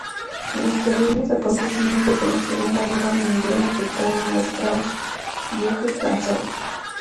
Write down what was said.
Los terribles acontecimientos de la Segunda Guerra Mundial afectaron a Strauss, viejo y cansado.